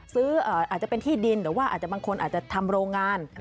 อาจจะเป็นที่ดินหรือว่าอาจจะบางคนอาจจะทำโรงงาน